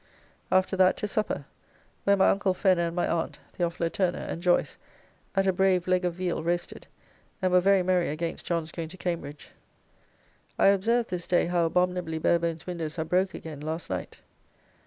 After that to supper, where my Uncle Fenner and my Aunt, The. Turner, and Joyce, at a brave leg of veal roasted, and were very merry against John's going to Cambridge. I observed this day how abominably Barebone's windows are broke again last night.